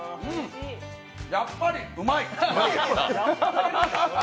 やっぱりうまい！